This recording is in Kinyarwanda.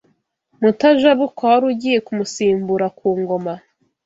Mutajabukwa wari ugiye kumusimbura ku Ngoma